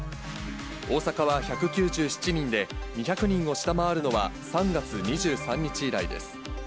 大阪は１９７人で、２００人を下回るのは３月２３日以来です。